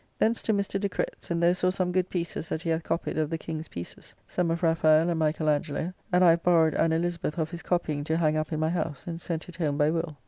Thence to Mr. de Cretz, and there saw some good pieces that he hath copyed of the King's pieces, some of Raphael and Michael Angelo; and I have borrowed an Elizabeth of his copying to hang up in my house, and sent it home by Will.